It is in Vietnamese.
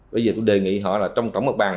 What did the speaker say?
bây giờ tôi đề nghị họ là trong tổng mặt bằng